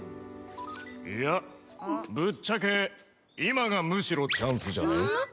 いやぶっちゃけ今がむしろチャンスじゃね？